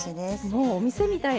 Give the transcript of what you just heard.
もうお店みたい。